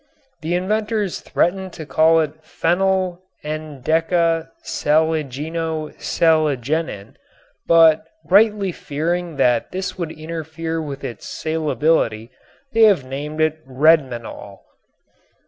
The inventors threatened to call it Phenyl endeka saligeno saligenin, but, rightly fearing that this would interfere with its salability, they have named it "redmanol."